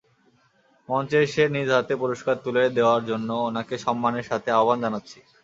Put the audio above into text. মঞ্চে এসে নিজ হাতে পুরষ্কার তুলে দেওয়ার জন্য উনাকে সম্মানের সাথে আহ্বান জানাচ্ছি!